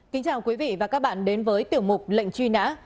kính chào quý vị và các bạn đến với tiểu mục lệnh truy nã